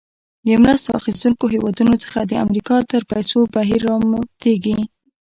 د مرسته اخیستونکو هېوادونو څخه امریکا ته د پیسو بهیر راماتیږي.